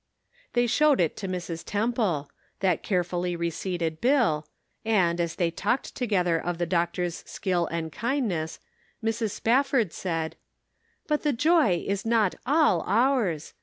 They showed it to Mrs. Temple, that care fully receipted bill, and, as they talked together of the doctor's skill and kindness, Mrs. Spafford said: " But the joy is not all ours.